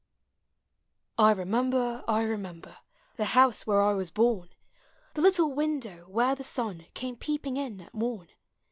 I i;i;mi:mi:i:ii, I remember The house where 1 was born, The little window where the sun Came peeping in at morn.